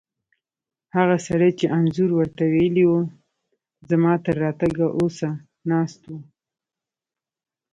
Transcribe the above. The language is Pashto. هغه سړی چې انځور ور ته ویلي وو، زما تر راتګه اوسه ناست و.